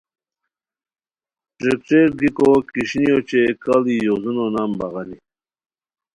ٹریکٹر گیکو کیݰینیو اوچے کاڑی یوزونو نام بغانی